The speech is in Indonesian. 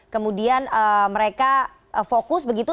kemudian mereka fokus begitu